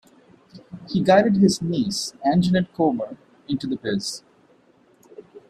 He guided his niece, Anjanette Comer into the biz.